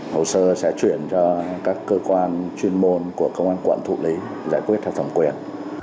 hồ sơ sẽ chuyển cho các cơ quan chuyên môn của công an quận thụ lý giải quyết theo thẩm quyền